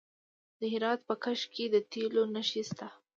د هرات په کشک کې د تیلو نښې شته.